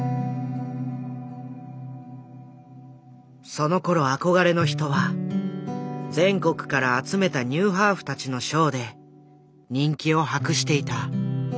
そのころ憧れの人は全国から集めたニューハーフたちのショーで人気を博していた。